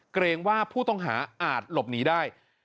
เกรงว่าผู้ต้องหาอาจหลบหนีได้